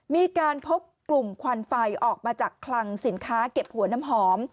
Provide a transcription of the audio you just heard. มีการพบกลุ่มควันไฟออกมาจากคลังสินค้าเก็บหัวน้ำหอม